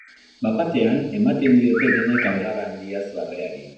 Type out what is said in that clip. Bat-batean ematen diote denek algara handiaz barreari.